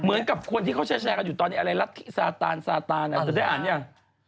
เหมือนกับคนที่เค้าแชร์กันอยู่ตอนนี้อะไรสาตาลสาตาลอะไรแหละเจ๊อ่านยัง